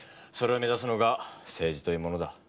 それを目指すのが政治というものだ。